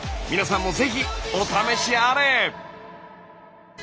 皆さんもぜひお試しあれ！